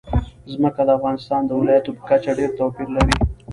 ځمکه د افغانستان د ولایاتو په کچه ډېر توپیر لري.